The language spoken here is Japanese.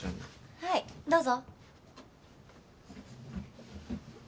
はいどうぞ。